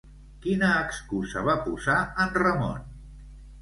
Quina excusa va posar en Ramon?